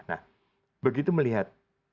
nah begitu melihat